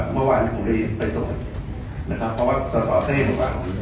เมื่อวานผมไปนะครับเพราะว่าสอสตร์เทพส์ของกว่า